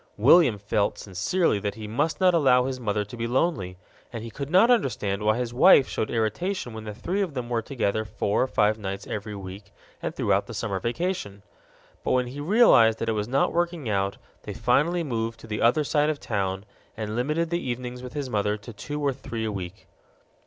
William felt sincerely that he must not allow his mother to be lonely, and he could not understand why his wife showed irritation when the three of them were together four or five nights every week and throughout the summer vacation. But when he realized that it was not working out, they finally moved to the other side of town and limited the evenings with his mother to two or three a week.